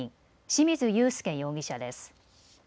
清水勇介容疑者です。